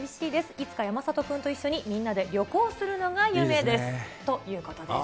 いつか山里君と一緒にみんなで旅行するのが夢ですということです。